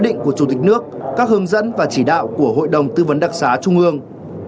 nước các hướng dẫn và chỉ đạo của hội đồng tư vấn đặc sá trung ương